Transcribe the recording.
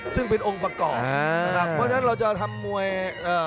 ซึ่งเป็นองค์ประกอบอ่านะครับเพราะฉะนั้นเราจะทำมวยเอ่อ